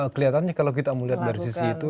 kelihatannya kalau kita melihat dari sisi itu